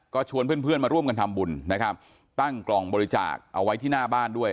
ก็ชวนเพื่อนเพื่อนมาร่วมกันทำบุญนะครับตั้งกล่องบริจาคเอาไว้ที่หน้าบ้านด้วย